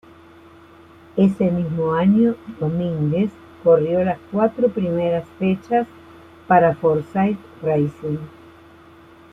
Ese mismo año, Domínguez corrió las cuatro primeras fechas para Forsythe Racing.